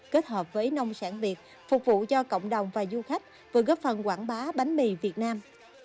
kết hợp với nông sản việt phục vụ cho cộng đồng và du khách vừa góp phần quảng bá bánh mì việt nam